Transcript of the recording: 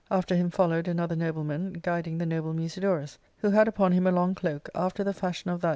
After him followed another nobleman, guiding the noble Musidorus, who had upon him a long cloak, after the fashion of that